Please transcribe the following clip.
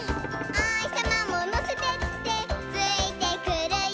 「おひさまものせてってついてくるよ」